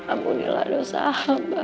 ampunilah dosa hamba